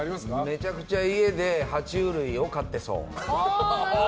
めちゃくちゃ家で爬虫類を飼ってそう。